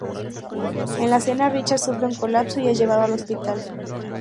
En la cena, Richard sufre un colapso y es llevado al hospital.